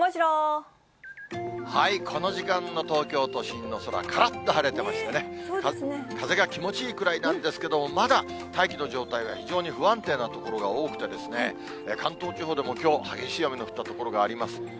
この時間の東京都心の空、からっと晴れてましてね、風が気持ちいいくらいなんですけれども、まだ大気の状態が非常に不安定な所が多くて、関東地方でもきょう、激しい雨の降った所があります。